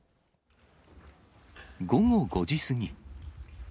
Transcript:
午後５時過ぎ。